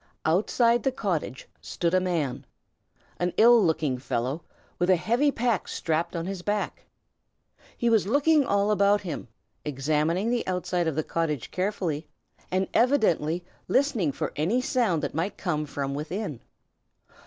Outside the cottage stood a man, an ill looking fellow, with a heavy pack strapped on his back. He was looking all about him, examining the outside of the cottage carefully, and evidently listening for any sound that might come from within.